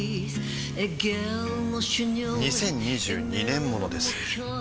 ２０２２年モノです